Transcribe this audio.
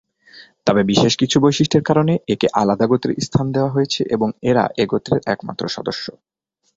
তবে বিশেষ কিছু বৈশিষ্ট্যের কারণে একে আলাদা গোত্রে স্থান দেওয়া হয়েছে এবং এরা এ গোত্রের একমাত্র সদস্য।